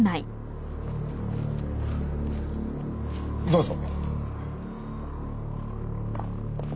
どうぞ。